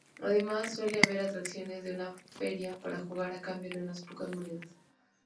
Además, suele haber atracciones de feria para jugar a cambio de unas pocas monedas.